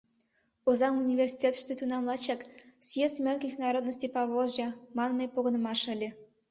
Озаҥ университетыште тунам лачак «съезд мелких народностей Поволжья» манме погынымаш ыле.